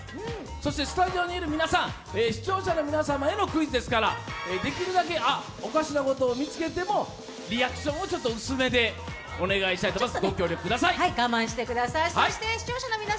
そしてスタジオにいる皆さん視聴者の皆様へのクイズですからできるだけおかしなことを見つけてもリアクションを薄めでお願いしたいと思います。